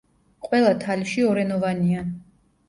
ყველა თალიში ორენოვანია.